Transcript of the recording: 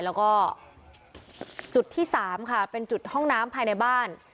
แล้วก็จุดที่๓ค่ะเป็นจุดห้องน้ำภายในบ้าน